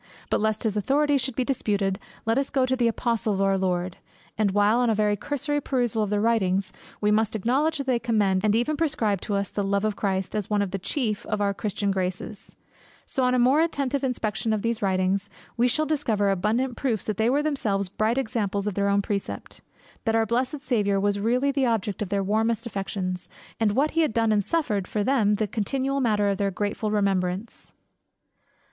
But lest his authorities should be disputed, let us go to the Apostles of our Lord; and while, on a very cursory perusal of their writings, we must acknowledge that they commend and even prescribe to us the love of Christ, as one of the chief of the Christian graces; so on a more attentive inspection of those writings, we shall discover abundant proofs that they were themselves bright examples of their own precept; that our blessed Saviour was really the object of their warmest affection, and what he had done and suffered for them the continual matter of their grateful remembrance.